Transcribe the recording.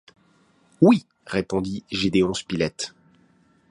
Oui, répondit Gédéon Spilett.